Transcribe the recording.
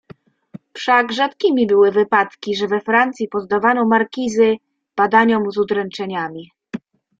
"Wszak rzadkimi były wypadki, że we Francji poddawano markizy badaniom z udręczeniami."